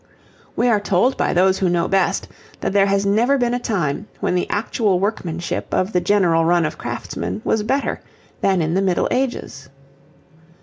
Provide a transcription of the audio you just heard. We are told by those who know best that there has never been a time when the actual workmanship of the general run of craftsmen was better than in the Middle Ages.